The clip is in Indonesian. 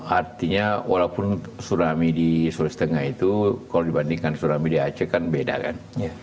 artinya walaupun tsunami di sulawesi tengah itu kalau dibandingkan tsunami di aceh kan beda kan